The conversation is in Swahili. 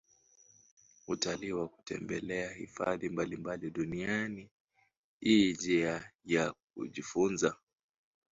Utalii wa kutembelea hifadhi mbalimbali duniani i jia ya kujifunza